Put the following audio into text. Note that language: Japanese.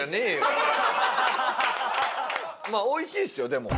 まあおいしいですよでも。